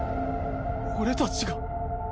俺たちが